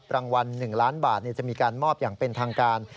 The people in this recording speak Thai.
รางวัล๑ล้านบาทจะมีการมอบอย่างเป็นทางการ